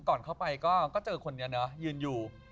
ก่อนเข้าไปก็เจอคนนี้เนอะยืนอยู่